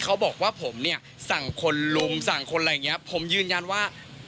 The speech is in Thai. เขาบอกว่าผมเนี่ยสั่งคนลุมสั่งคนอะไรอย่างเงี้ยผมยืนยันว่า